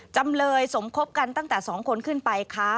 จำเลยสมคบกันตั้งแต่๒คนขึ้นไปค้า